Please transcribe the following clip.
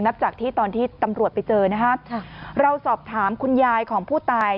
จากที่ตอนที่ตำรวจไปเจอนะฮะเราสอบถามคุณยายของผู้ตาย